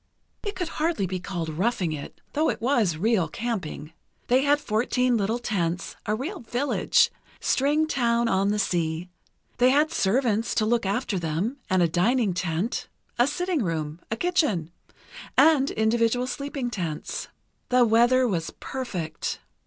It could be hardly be called roughing it, though it was real camping. They had fourteen little tents, a real village—string town on the sea. They had servants to look after them, and a dining tent, a sitting room, a kitchen, and individual sleeping tents. The weather was perfect.